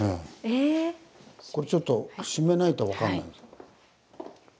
これちょっと閉めないと分からないです。